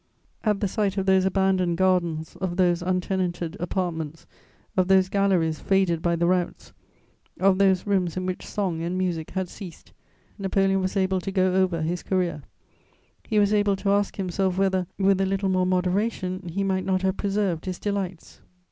At the sight of those abandoned gardens, of those untenanted apartments, of those galleries faded by the routs, of those rooms in which song and music had ceased, Napoleon was able to go over his career: he was able to ask himself whether, with a little more moderation, he might not have preserved his delights.